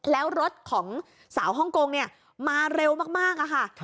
แล้วรถของสาวฮ่องกงมาเร็วมากค่ะ